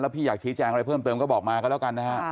พี่อยากชี้แจงอะไรเพิ่มเติมก็บอกมาก็แล้วกันนะฮะ